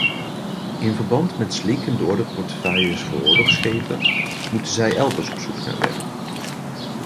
In verband met slinkende orderportefeuilles voor oorlogsschepen, moeten zij elders op zoek naar werk.